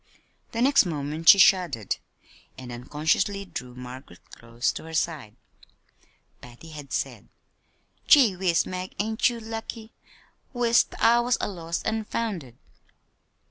The next moment she shuddered and unconsciously drew Margaret close to her side. Patty had said: "Gee whiz, Mag, ain't you lucky? Wis't I was a lost an' founded!"